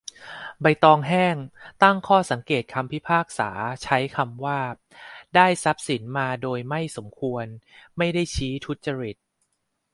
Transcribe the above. ใบตองแห้ง ตั้งข้อสังเกตคำพิพากษาใช้คำว่า "ได้ทรัพย์สินมาโดยไม่สมควร" ไม่ได้ชี้ทุจริต